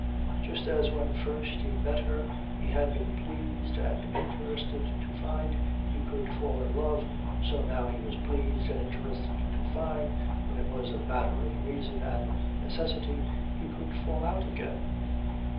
Just as when first he met her he had been pleased and interested to find he could fall in love so now he was pleased and interested to find, when it was a matter of reason and necessity, he could fall out again.